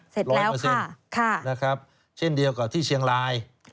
เสร็จแล้วค่ะค่ะร้อยเปอร์เซ็นต์นะครับเช่นเดียวกับที่เชียงราย